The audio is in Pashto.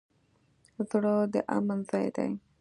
زړه د امن ځای دی.